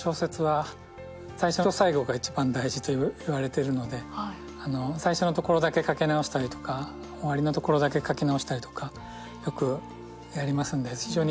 わりに何か。といわれてるので最初のところだけ書き直したりとか終わりのところだけ書き直したりとかよくやりますんで。